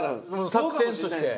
作戦として。